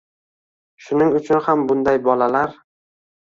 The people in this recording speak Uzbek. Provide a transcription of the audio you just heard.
Shuning uchun ham bunday bolalar